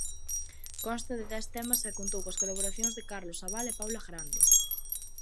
Consta de dez temas e contou coas colaboracións de Carlos Abal e Paula Grande.